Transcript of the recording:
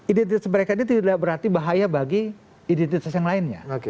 identitas mereka ini tidak berarti bahaya bagi identitas yang lainnya